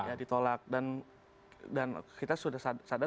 ya ditolak dan kita sudah sadar